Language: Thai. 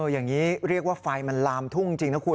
อย่างนี้เรียกว่าไฟมันลามทุ่งจริงนะคุณ